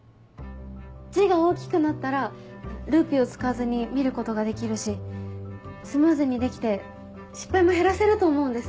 字が大きくなったらルーペを使わずに見ることができるしスムーズにできて失敗も減らせると思うんです。